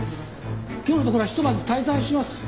今日のところはひとまず退散します。